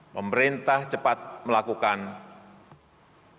pemerintah cepat melakukan perubahan rumusan